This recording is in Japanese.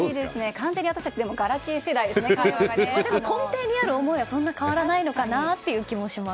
完全に私たち、会話がでも根底にある思いはそんなに変わらないのかなという気もします。